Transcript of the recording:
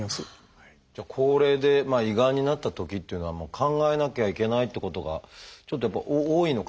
高齢で胃がんになったときっていうのは考えなきゃいけないってことがちょっとやっぱり多いのかなっていう。